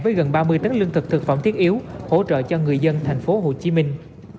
với gần ba mươi tấn lương thực thực phẩm thiết yếu hỗ trợ cho người dân thành phố hồ chí minh